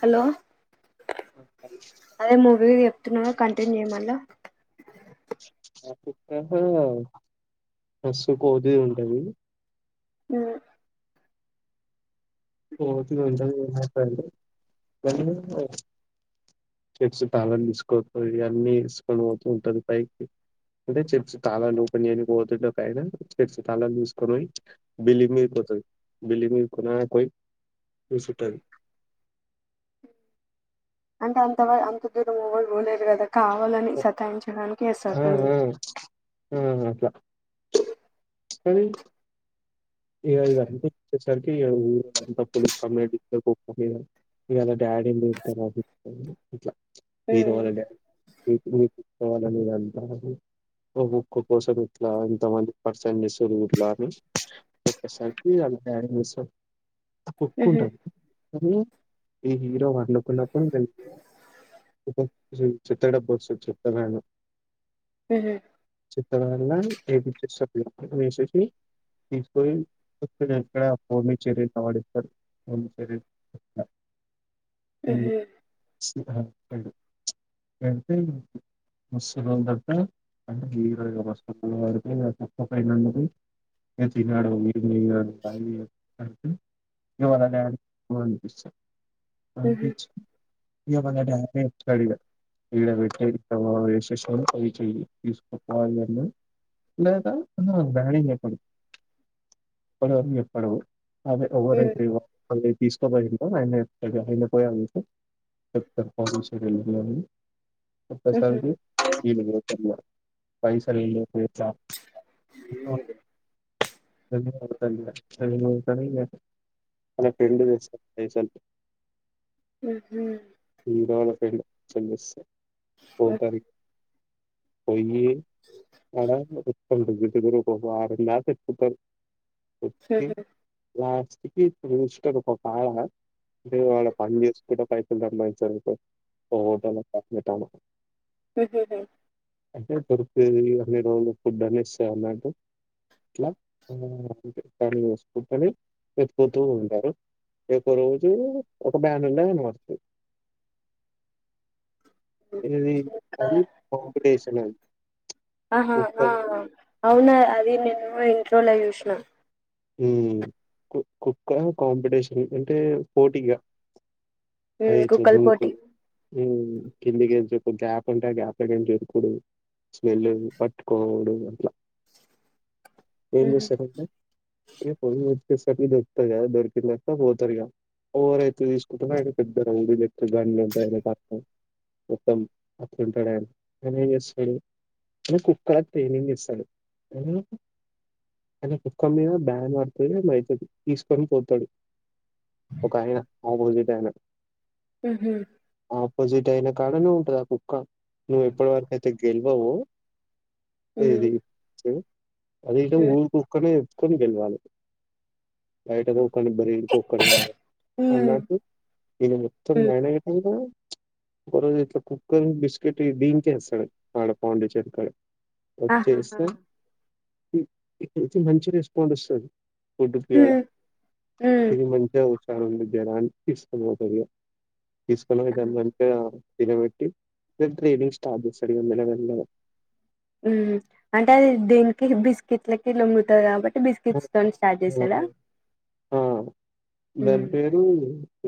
Hello అదే movie చెప్తున్నాను continue చేయ్ మళ్ళ బస్సు కోది ఉంటది హ్మ్ ఇప్పుడు పొతే ఇంటర్వ్యూ ఉందా అే చెప్స్ తాళాలు తీసుక అన్నీ తీసుకొని పోత ఉంటంది పైకి అంటే చెప్స్ తాళాలుపనియానికి పోతునా చెప్స్ తాళాలు తీసుకొని పోయి బిల్లి మీరు పోతుంది బిల్లి మరుకు పోయి ముసిటన్ అంటే అంత అంత దూరంవ్ పోలేరు కదా కావాలని సతాయించడానికి వస్తుతుంది ఉ అట్లా సది ఇ ఇంతచ్చేసరికిఊంత పోలీస్ క అ ఇవాళ డాడీ దతారు ఇట్లా హీరో వాలడాడీ మీకుసువాలనేది అంట ముక్క కోసం ఇట్లా ఇంతమంది పర్సం చేస్తు ఇట్లా అని సార్కి హ క దసో ఒప్పుకుంటది ఈ హీరో లొపల అతను వె చిుట్టడ పోస్ చిుట్టేను చెత్తగాల్ల ఏబీ ష్ పోయిక్కడ హూమిచ్చరి నవాడిక్క భూమిరి అ అతే మస్తులు తప్ప అంటే హీరోగా వస్తుడి తప్ప పైన ఉన్నది చినాడ ఉరుని కదవ అడుతు ఇవదనే హమ్ పపిచ ఇ ఇడ పెట్ట విశేష పై చెయ తీసుకుపోవాలి అని లేత బా పడి ఎప్పుడురు ఎప్పుడువు అదే ఒకరే తీసుకోద ఇ ఆయన అయన పోయాలి చెప్ ప్పశంత పైసలు ఇ ధన్వాద ధవాతన అలా ఫ్రెండ్ వస్త ఇంతక సస్ పో తార పో అ రు ఆరంద ఇప్పు ఓకే ఇ రజస్ట పకాయా అ వాడ పని చేస్త ఇ పైస ధమా హటల్ గట్టాను అంటే పరుపది అన్ని రోజులు ఫుడ్ అని ఇస్తే అన్నట్టు ఇట్లా అ కాని వసుంటని చెప్పుపోతూ ఉంటారు ఒ రోజు ఒక బ్యా నళన వతుంది కాంపిటీషన్ అది ఆహా కుక్కలు అవునా ది నేను ఇంట్రోల యోచన ఉ కు కుక్క కాంపిటిషన్ అే పోటిగా మ్మ్ అ చ కుక్కల ద పోటీ [unintelligible] కిందికి గ్యాప్ ఉంటే ఆ గ్యాప్ జరుకుడు వెళ్ళుడు పట్టుకోవుడు అట్లా ఏం చేస్తరైతే ఏ ప [unintelligible] ట్టు దొరకుతది కదా దొరికిన నాక పోతారు ఇక ఎవరైతే తీసుకుంటరొ ఆయన పెద్ద రౌడీ లెక్క గన్ లు ఉంటయి మొత్తం అట్లుంటడు ఆయన. ఆయన ఏం చేస్తాడు కుక్కలకు టైనింగ్ ఇస్తడు. ముఖం మీద బ్యాన్ పడ్తే ఏ తీసుకొని పోతాడు ఒక ఆయన ఆప్పొసిట్ ఆయన ఆ హ్ ఆపోజిట్ అయన కాడనే ఉంటది ఆ కుక్క నువ్వు ఎప్పుడు వరకయితే గెల్ ఏందీ ఏది ఆహాహా చెపు అదిం గుల్ కుక్కనే కుని గెల్ వాలె బయట తూని బరీ పకని మ్మ్ అ ఇ మొత్తం [unintelligible] ఒక రోజయితే ఇ కుక్కర్ బిస్కట్ దీనికేస్తాడు ఆడ పాండీచేరి కాడ వచ్చేస్తే మంచూరి నడుస్తది ఫుడ్ ప్రియుడు తిని మ్మ్ మంచిగ క జరా ఇసుకు [unintelligible] తీసుకునే విదాన్ని అంటే [unintelligible] నిలబెట్టి ఇంకేదో స్టార్ చేస అడిల అంటే అది దేనికి బిస్కెట్లకి నొమ్ముతయండి ఆ దాని హ్మ్ పేరు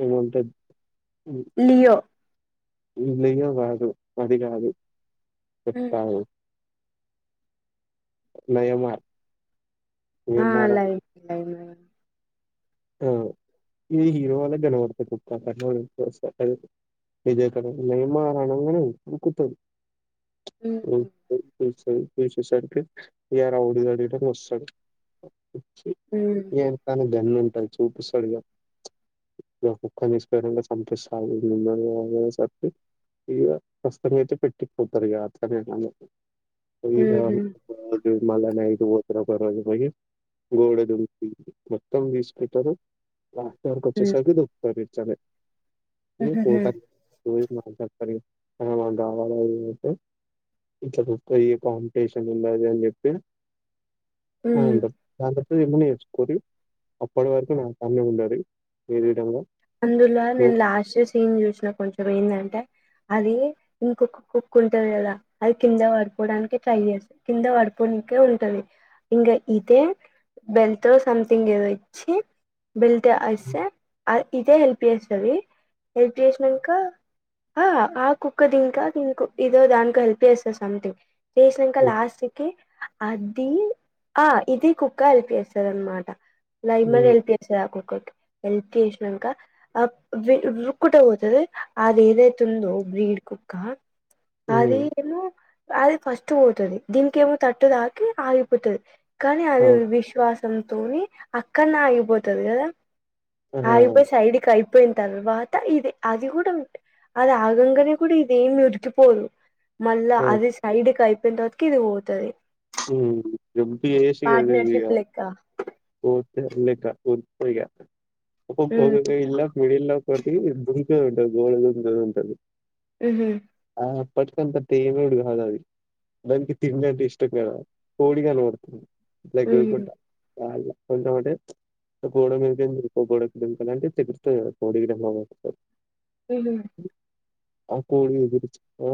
ఏమో ఉంటది [inaudible] లియో ఇది లియో కాదు అది కాదు హ్మ్. చెప్తాగు నయమార్ ఏ మార అయి ఆ ఇది హీరో హ్మ్ [unintelligible] [unintelligible] పోశెసరికి [unintelligible] హ్మ్. ఏ తను దన్ చూపిస్తాడుగా ఇ కుక్క హుహు [unintelligible] [unintelligible] [unintelligible] ఇతరు ఇట్టార్ హ్మ్ కొచ్చేసరికే దొరక్తది సరే ఏ హుహుహు పోత పో [unintelligible] ఇట్ల ఫిఫ్త్ పోయే కాంపిటీషన్ ఉండది అని చెప్పి హ్మ్ ఉండు [unintelligible] ఇవి అని నేర్చుకొని అప్పటి వరకు నక్ పని ఉండడి ఏదియడంలో అందుల నేను లాస్ట్ సీన్ చూసిన కొంచెం ఇ ఏంటంటే అది ఇంకొక కుక్ ఉంటది కదా అది కింద పడిపోవడానికి ట్రై చేస్తుంది కింద పడిపోవడాకే ఉంటది ఇంకా ఇదే బెల్టో సంథింగ్ ఏదో ఇచ్చి బెల్ట్ అస్తే అది ఇదే హెల్ప్ చేస్తది హెల్ప్ చేసినంక ఆ కుక్కది ఇంకా ఇం ఇదో దాకో హెల్ప్ చేస్తది సథింగ్ పోషినంక హ్మ్. లాస్ట్ కి అది ఆ ఇది కుక్క హెల్ప్ చేస్తంది అనమాట లైమన్ హ్మ్. హెల్ప్ చేస్తంది ఆ కుక్కకి హెల్ప్ చే ఇంక ఆ రుక్కుట పోతుది అది ఏదైతుందో బ్రీడ్ కుక్క అది హ్మ్. ఏమో అది ఫస్ట్ పోతది దీనికి ఏమో తట్టు తాకి ఆగిపోతది కనీ అవి అవును. విశ్వాస తోని అక్కన్నే ఆగిపోతది కదా ఆ ఆహా! ఇక సైడ్ కై పోయిన తర్వాత ఇది అది కూడా అది ఆగంగానే కూడా ఇదేం ఉరికిపోదు మళ్ళా ఆ! అది సైడ్ కయి [unintelligible] ఎంతి చేసి ఏం ఉంది ఇగ [unintelligible] రకుల్ పూజా ఒక ఉమ్ [unintelligible] మెడిలైఫ్ కాటి దంక ఉంటది [unintelligible] ఉంటది ఉమ్ అప్పటికంత ప్రేమ ఉడుగాదు కథ్ దానికి తిన్న జస్ట్ అట్లా కోడి కళ్ళు వడుతుంది ఉహు [unintelligible] [unintelligible] ఉహు ఆ కోడి గురించి ఆ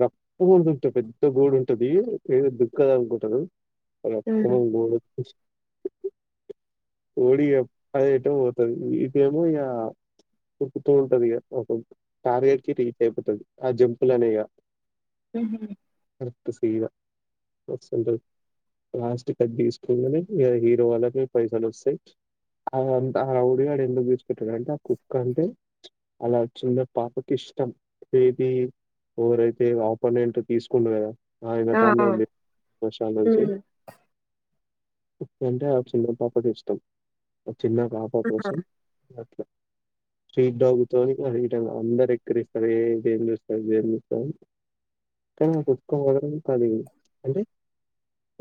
రప్ప పెద్ద గోడు ఉంటది ఏ దుక్కద గ టు ఆ ఉమ్ [unintelligible] రేడియో అది ఎటో పోతంది తెలీదా తిపుత ఉంటారు ఇగ [unintelligible] కార్ అడ్కి రీచ్ అయిపోడుతుంది ఆ జంపులనేగా ఉమ్ ఏ తీసున్న [unintelligible] క్లాస్ కట్ తీసుకుంటనే హీరో వాళ్ళకి పైసల్ వస్తాయ్. ఆ ఆ రౌడి గాడు ఎందుకు ఇడిసిపెట్టిందు అంటే, ఆ కుక్క అంటే ఆ చిన్న పాపకి ఇష్టం ఏది ఎవరైతే ఆపోనెంట్ తీసుకున్నారో ఆ ఆ [unintelligible] మసాలా ఉమ్ ఏసీ ఏంటి ఆ చిన్న పాపడి ఇష్టం చిన్న పాప ఆహా కోసం అట్ల స్ట్రీట్ డాగు తో [unintelligible] అందరు ఎక్కిస్తారు [unintelligible] నక్ ఒక దాని కాదు అంటే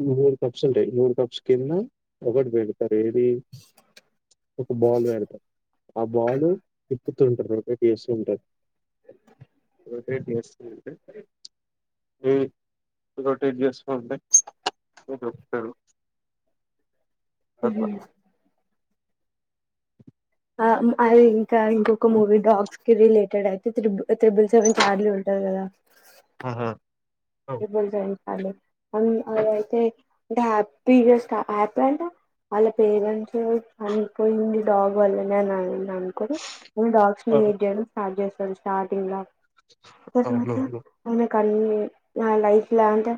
నూరు కప్స్ ఉంటాయ్ నూరు కప్స్ కి ఇన్ని [unintelligible] ఏది ఒక బాల్ పెడతారు ఆ బాల్లు తిప్పుతుంటారు రిపీట్ ఏసీ ఉంటె ఇక్కడా డ్రెస్ ఏది ఉమ్ ఇగో టూత్బ్రష్ [unintelligible] ఉహ్ ఉమ్ ఆ అది ఇంకా ఇంకొక మూవీ డాగ్స్ కి రిలేటెడ్ అయితే త్రిబుల్ త్రిబుల్ సెవెన్ చార్లీ ఉంటాది కదా ఆహా! అవ్ ఇప్పుడు చెయ్ సర్లే మ్మ్ అది అయితే ఇంక హ్యాపీ గా క హ్యాపీ అంట వాళ్ళ పేరెంట్స్ [unintelligible] అనిపోయింది డాగ్ వల్లనే నండి తను కూడా మ్మ్ డాగ్స్ నీ అవును. యూస్ చెయ్యడం స్టార్ట్ చేస్ [unintelligible] స్టార్ంగ్లా తర్వాత అవును. ఐ మాక్ కన్ మీ నా లైఫ్ లో అంటే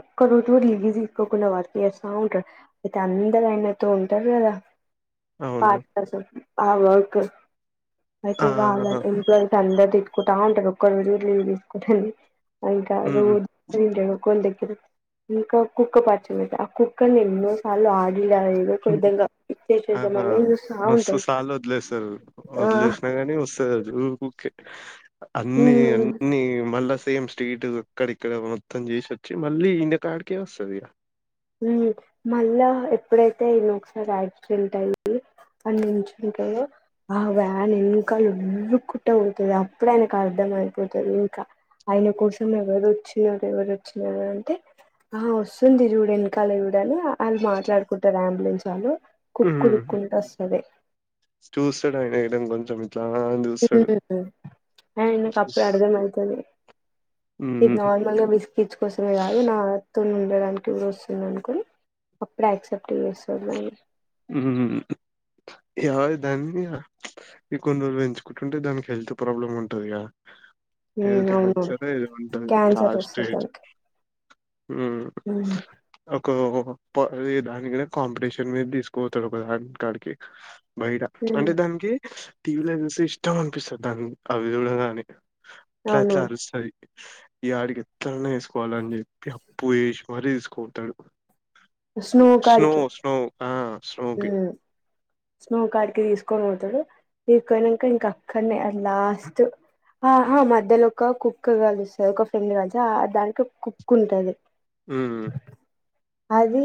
ఒక్క రోజు కూడా లీవ్స్ ఏ తీసుకోకుండా వర్క్ చేస్త ఉంటారు అయితే అందరు ఆయన తో ఉంటారు కదా అవును. పార్టనర్స్ ఆ వంకు అయితే ఆ! ఆ! వాళ్ళంతా ఎంప్లాయిస్ అందరూ తీస్ కుంట ఉంటడు ఒక్కరు రోజు కూడా లీవ్ తీసుకుంటుంది [unintelligible] ఇంకా కుక్క పచ్చలేతే ఆ కుక్కని ఎన్నో సార్లు ఆ ఆహా చూస్తా మస్తు ఉంటాడు సార్లు వదిలేస్తారు ఆ వదిలేసినా గాని వస్తాదది ఊర కుక్కే అన్నీ ఉమ్ అన్నిీ మళ్ళా సేమ్ స్ట్రీట్ అక్కడిక్కడ మొత్తం చేసి వచ్చి మళ్ళీ ఇల్లకాడికే వస్తది ఇగ మ్ మళ్ళా ఎప్పుడైతే ఈయన ఒకసారి యాక్సిడెంట్ అయి అనిచుంటాడో ఆ వ్యాన్ ఎంకా లుక్కుంట ఉంటంది అప్పుడు ఆయనకు అర్థం అయిపోతుంది ఇంకా ఆయన కోసం ఎవరు వచ్చినారు ఎవరు వచ్చినార అంటే ఆ వస్తుంది చూడను క్కాల ఇడి వాళ్ళు మాట్లాడుకుంటారు అంబులెన్స్ వాళ్ళు కుక్కలు కొని తెస్తారు ద ఇడ కొంచెం ఇట్లా అని కు చూస్తాడు అప్పుడు అర్థం అయితది ఇది మ్మ్ నార్మల్గా బిస్కట్స్ కోసమే కాదు నా తున్ ఉండడానికి [unintelligible] వస్తుంది అనుకని అప్పుడ యాక్సెప్ట్ చేస్తాడు దాన్ని మ్ ఎడా దాన్ని ఈ కొన్ని రోజులు పెంచుకుంటుంటే దానికి హెల్త్ ప్రాబ్లమ్ ఉంటదిగా ఏదో ఉమ్ అవునవును క్యాన్సర్ ఏది ఉంటది క్యాన్సర్ లాస్ట్ వస్తది స్టేజ్ దానికి మ్ ఉమ్ ఒక ప ఏ దానిగ కాంపిటీషన్ మీద తీసుకో పోతాడు ఒక [unintelligible] కాడికి బయట ఉమ్ అంటే దానికి టీవీలో చూస్తే ఇష్టం అనిపిస్తుంది దాన్ని అవి చూడం గాన ఇట్లా ఇట్లా అవునవును అరుస్తుంది ఈ ఆడికి ఎట్లాయి ఆ వేసుకోవాలని చెప్పి అప్పుూ ఏష్ మరి కోటడు స్లో కాలికె ఉ ఆ స్నోకి హుమ్ స్నో కార్డ్ కి తీసుకొని పోతడు తీసుకుక ఇంక అక్కడనే లాస్ట్ ఆహ మధ్యలో ఒక కుక్ కలిస్తంది ఒక ఫ్రెండ్ కా దానికి కుక్క ఉంటుంది ఉమ్ అది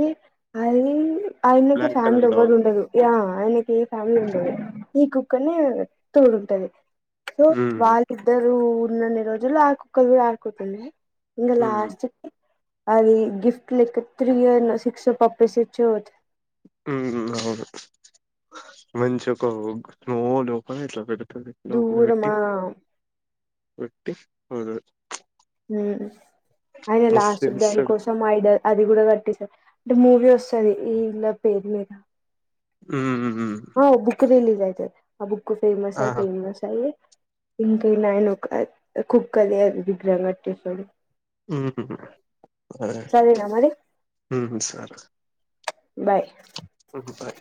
అరె అయినక బ్లాక్ ఫామిలీ కలర్ ఎవడు డాగ్ ఉండదు యా ఆయనకి ఏ ఫ్యామిలీ ఉండదు ఈ కుక్కనే తోడు ఉంటది సో హ్మ్ వాళ్ళిద్దరూ ఉన్నన్ని రోజుల్లో ఆ కుక్క ఆకుతుంది ఇంగ హ్మ్ లాస్ట్ అది గిఫ్ట్ లెక్క త్రీ ఇయన్ సిక్స్ కప్స్ ఇచ్చ ఊహు అవును మంచింగ [unintelligible] ప దూరమ ఒట్టి ఫుడ్ మ్ అయి లాస్ట్ ఏడుస్తాడు దానికోసం ఐదొ అది కూడ కట్టేసారు ట్ మూవీస్ సరే ఈ ఇల్ల పేర్లె హ్మ్ అ బుక్కరిలి గయితె అ బుక్ ఎక్కువ ఫేమస్ ఆహా అయిపోయింది మా సైయి ఇంకా నయను హుక్ అద్ కుక్క అది విగ్రహం కట్ ట్టేసాడు హుహ్మ్ సరే సరేనా మరి హుహ్మ్ సరే బాయ్ ఉహు బాయ్